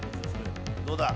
どうだ？